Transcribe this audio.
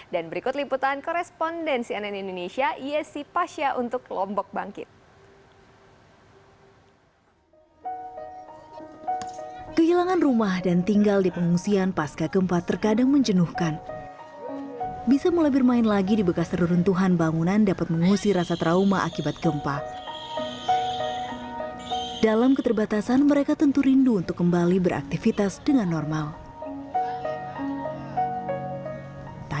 dan berikut liputan korespondensi ann indonesia yesi pasya untuk lombok bangkit